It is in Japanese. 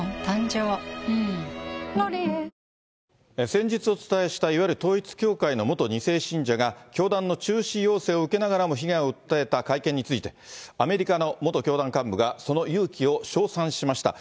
先日お伝えしたいわゆる統一教会の元２世信者が、教団の中止要請を受けながらも被害を訴えた会見について、アメリカの元教団幹部が、その勇気を称賛しました。